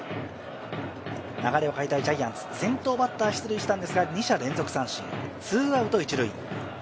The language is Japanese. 流れを変えたいジャイアンツ、先頭バッター出塁したんですが、二者連続三振、ツーアウト一塁。